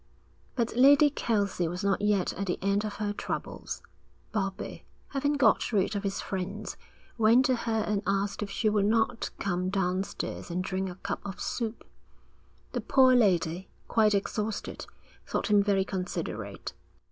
But Lady Kelsey was not yet at the end of her troubles. Bobbie, having got rid of his friends, went to her and asked if she would not come downstairs and drink a cup of soup. The poor lady, quite exhausted, thought him very considerate.